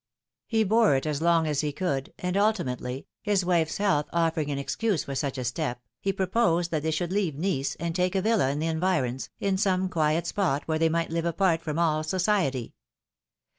He bore it as long as he could, and ultimately, his wife's health offer ing an excuse for such a step, he proposed that they should leave Nice, and take a villa in the environs, in some quiet spot where they might live apart from all society.